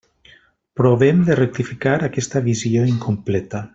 Provem de rectificar aquesta visió incompleta.